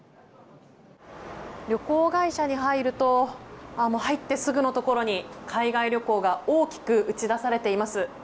旅行会社に入ると入ってすぐのところに海外旅行が大きく打ち出されています。